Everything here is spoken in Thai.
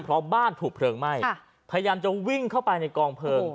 เพราะบ้านถูกเพลิงไหม้พยายามจะวิ่งเข้าไปในกองเพลิง